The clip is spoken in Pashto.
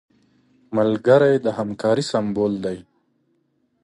ملګری د همکارۍ سمبول دی